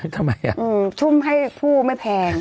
ทำไมทุ่มให้ผู้ไม่แพง